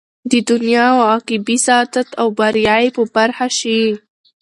د دنيا او عقبى سعادت او بريا ئې په برخه شي